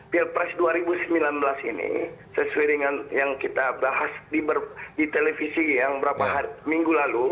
pilpres dua ribu sembilan belas ini sesuai dengan yang kita bahas di televisi yang beberapa minggu lalu